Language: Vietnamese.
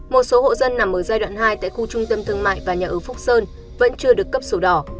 một số hộ dân nằm ở giai đoạn hai tại khu trung tâm thương mại và nhà ở phúc sơn vẫn chưa được cấp sổ đỏ